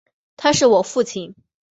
他是我父亲